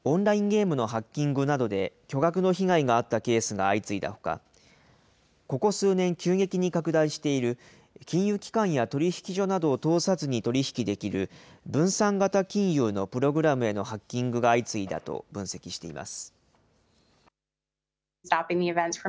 具体的には、オンラインゲームのハッキングなどで巨額の被害があったケースが相次いだほか、ここ数年、急激に拡大している、金融機関や取引所などを通さずに取り引きできる分散型金融のプログラムへのハッキングが相次いだと分析しています。